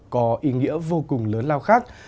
có ý nghĩa vô cùng lớn lao khác